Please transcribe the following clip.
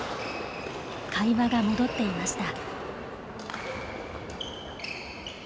会話が戻っていました。